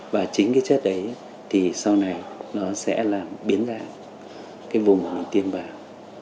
và chính cái chất đấy thì sau này nó sẽ biến ra cái vùng mà mình tiêm vào